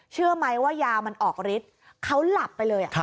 เชื่อไหมว่ายามันออกฤทธิ์เขาหลับไปเลย